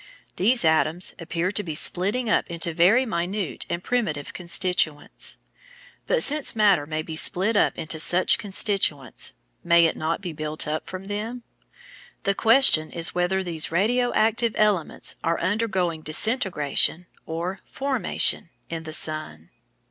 These atoms appear to be splitting up into very minute and primitive constituents. But since matter may be split up into such constituents, may it not be built up from them? The question is whether these "radio active" elements are undergoing disintegration, or formation, in the sun.